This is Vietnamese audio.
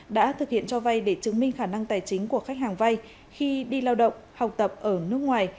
đã thực hiện cho vay để chứng minh khả năng tài chính của khách hàng vay khi đi lao động học tập ở nước ngoài